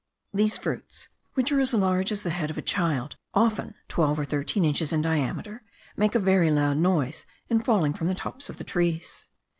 These fruits, which are as large as the head of a child, often twelve or thirteen inches in diameter, make a very loud noise in falling from the tops of the trees.